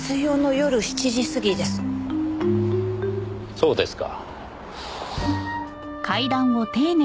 そうですか。